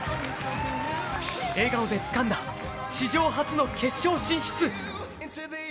笑顔でつかんだ史上初の決勝進出。